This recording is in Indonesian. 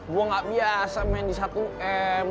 gue gak biasa main di satu m